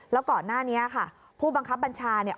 แล้วก่อนหน้านี้ค่ะผู้บังคับบัญชาเนี่ย